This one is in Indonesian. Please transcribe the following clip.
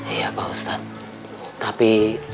iya pak ustadz tapi